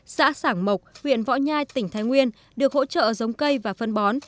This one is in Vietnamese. xã sảng mộc huyện võ nhai tỉnh thái nguyên được hỗ trợ giống cây và phân bón